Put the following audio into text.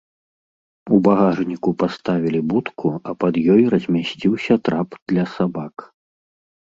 У багажніку паставілі будку, а пад ёй размясціўся трап для сабак.